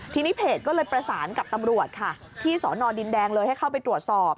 ทีนี้เพจก็เลยประสานกับตำรวจค่ะที่สอนอดินแดงเลยให้เข้าไปตรวจสอบ